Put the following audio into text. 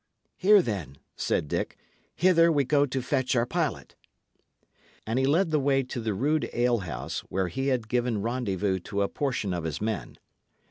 "Here, then," said Dick. "Hither we go to fetch our pilot." And he led the way to the rude alehouse where he had given rendezvous to a portion of his men.